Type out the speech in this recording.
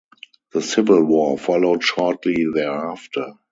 The Civil War followed shortly thereafter.